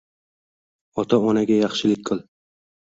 ota-onaga yaxshilik qil